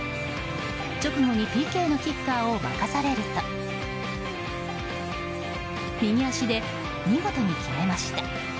直後にＰＫのキッカーを任されると右足で見事に決めました。